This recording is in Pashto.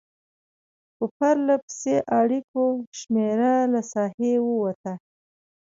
په پرلپسې اړیکو شمېره له ساحې ووته.